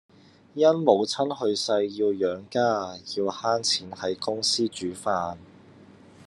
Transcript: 因母親去世要養家，要慳錢喺公司煮飯